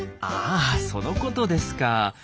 あそのことですか。